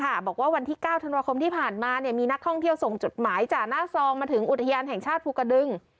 บอกว่าวันที่๙ธันวาคมที่ผ่านมามีนักท่องเที่ยวส่งจดหมายจากหน้าซองมาถึงอุทยานแห่งชาติภูกระดึง